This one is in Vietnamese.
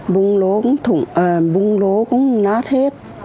bung lố cũng nát hết